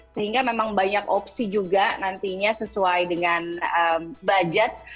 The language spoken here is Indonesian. sehingga memang banyak opsi juga nantinya sesuai dengan budget